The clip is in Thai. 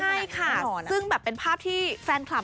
ใช่ค่ะซึ่งแบบเป็นภาพที่แฟนคลับ